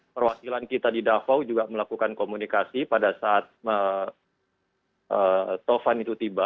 perwakilan kita di davao juga melakukan komunikasi pada saat tovan itu tiba